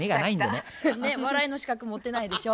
ねっ笑いの資格持ってないでしょ。